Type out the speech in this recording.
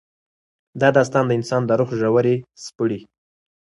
دا داستان د انسان د روح ژورې سپړي.